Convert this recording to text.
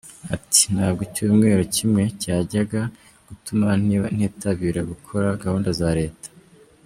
Ati “Ntabwo icyumweru kimwe cyajyaga gutuma ntitabira gukora gahunda za Leta.